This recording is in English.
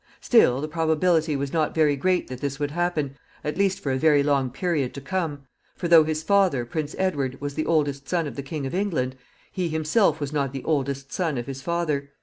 Still, the probability was not very great that this would happen, at least for a long period to come; for, though his father, Prince Edward, was the oldest son of the King of England, he himself was not the oldest son of his father.